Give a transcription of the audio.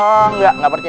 ah enggak gak percaya